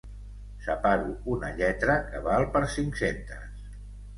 Separo una lletra que val per cinc-centes.